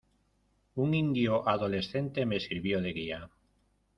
un indio adolescente me sirvió de guía.